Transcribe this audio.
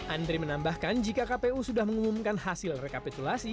andri menambahkan jika kpu sudah mengumumkan hasil rekapitulasi